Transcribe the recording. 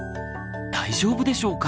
大丈夫でしょうか？